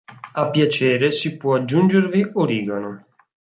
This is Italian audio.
A piacere si può aggiungervi origano.